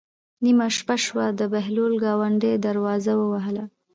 نیمه شپه شوه د بهلول ګاونډي دروازه ووهله.